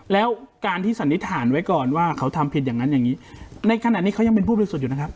แล้วการที่สันนิษฐานไว้ก่อนว่าเขาทำผิดอย่างนั้นอย่างนี้ในขณะนี้เขายังเป็นผู้บริสุทธิ์อยู่นะครับ